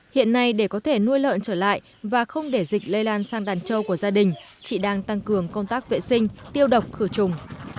hiện nay để có thể nuôi lợn trở lại và không để dịch lây lan sang đàn trâu của gia đình chị đang tăng cường công tác vệ sinh tiêu độc khử trùng